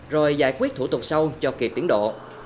rồi giải quyết thủ tục sau cho kịp tiến độ